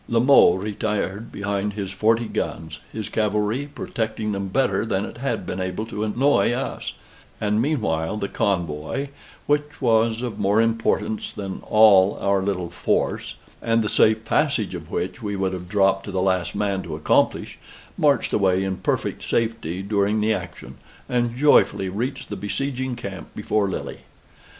La Mothe retired behind his forty guns, his cavalry protecting them better than it had been enabled to annoy us; and meanwhile the convoy, which was of more importance than all our little force, and the safe passage of which we would have dropped to the last man to accomplish, marched away in perfect safety during the action, and joyfully reached the besieging camp before Lille.